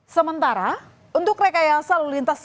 sementara untuk rekayasa lalu lintas